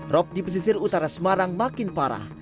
rob di pesisir utara semarang makin parah